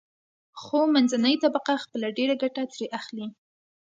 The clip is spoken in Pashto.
خو منځنۍ طبقه خپله ډېره ګټه ترې اخلي.